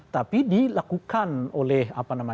tapi dilakukan oleh